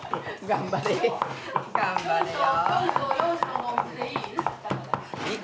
頑張れよ。